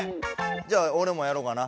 じゃあおれもやろうかな。